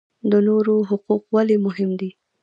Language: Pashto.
د نورو حقوق ولې مهم دي؟